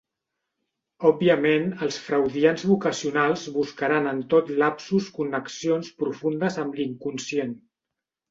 Òbviament els freudians vocacionals buscaran en tot lapsus connexions profundes amb l'inconscient.